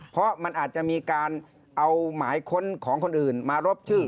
เพราะมันอาจจะมีการเอาหมายค้นของคนอื่นมารบชื่อ